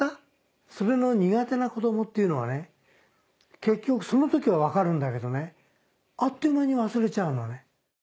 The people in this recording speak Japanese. それの苦手な子供っていうのは結局その時は分かるんだけどあっという間に忘れちゃうのね。